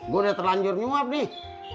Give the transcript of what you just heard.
gua udah terlanjur nyumap nih